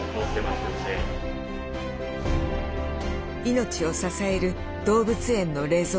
命を支える動物園の冷蔵庫。